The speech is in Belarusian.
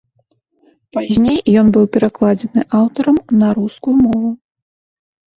Пазней ён быў перакладзены аўтарам на рускую мову.